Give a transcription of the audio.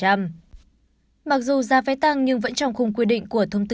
mặc dù gia vé tăng nhưng vẫn trong khung quy định của thông tư ba mươi bốn